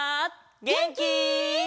げんき？